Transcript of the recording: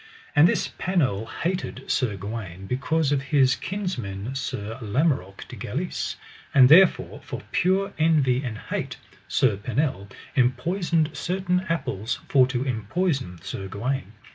And this Pinel hated Sir Gawaine because of his kinsman Sir Lamorak de Galis; and therefore for pure envy and hate Sir Pinel enpoisoned certain apples for to enpoison Sir Gawaine.